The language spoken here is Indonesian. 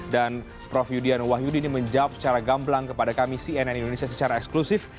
dan prof yudian wahyudi ini menjawab secara gamblang kepada kami cnn indonesia secara eksklusif